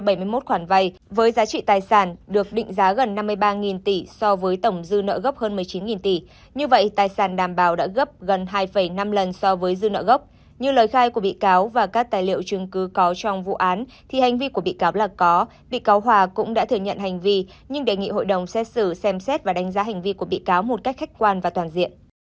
bị cáo hòa cũng đã thừa nhận hành vi nhưng đề nghị hội đồng xét xử xem xét và đánh giá hành vi của bị cáo một cách khách quan và toàn diện